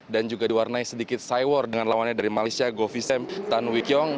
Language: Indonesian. dan juga diwarnai sedikit cyborg dengan lawannya dari malaysia govisem tan wikyong